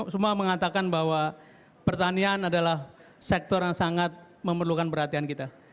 semua mengatakan bahwa pertanian adalah sektor yang sangat memerlukan perhatian kita